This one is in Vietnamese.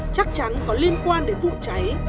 chắc chắn có liên quan đến vụ cháy